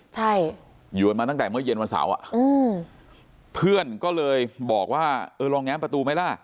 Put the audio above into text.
ใช่อยู่กันมาตั้งแต่เมื่อเย็นวันเสาร์อ่ะอืมเพื่อนก็เลยบอกว่าเออลองแง้มประตูไหมล่ะ